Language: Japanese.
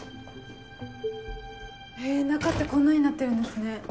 へぇ中ってこんなになってるんですね。